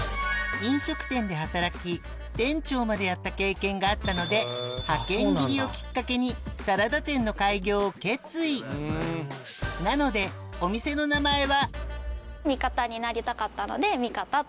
飲食店で働き店長までやった経験があったので派遣切りをきっかけにサラダ店の開業を決意なので味方になりたかったので。